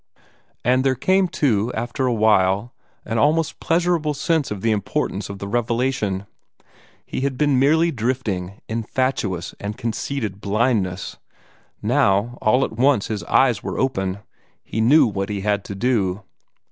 And there came, too, after a little, an almost pleasurable sense of the importance of the revelation. He had been merely drifting in fatuous and conceited blindness. Now all at once his eyes were open; he knew what he had to do.